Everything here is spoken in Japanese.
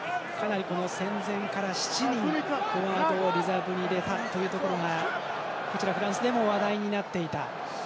戦前から７人フォワードをリザーブに入れたというところがフランスでも話題になっていた。